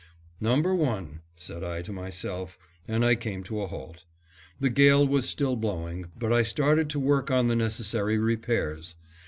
"Number one," said I to myself, and I came to a halt. The gale was still blowing, but I started to work on the necessary repairs.